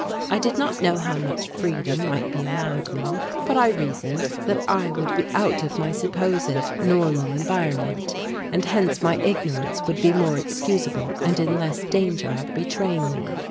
I did not know how much freedom might be allowed me, but I reasoned that I would be out of my supposed normal environment and hence my ignorance would be more excusable and in less danger of betraying me.